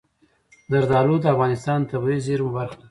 زردالو د افغانستان د طبیعي زیرمو برخه ده.